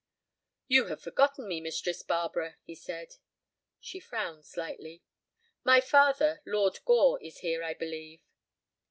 "You have forgotten me, Mistress Barbara," he said. She frowned slightly. "My father, Lord Gore, is here, I believe."